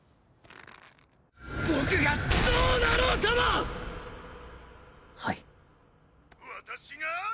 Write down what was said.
僕がどうなろうともはい。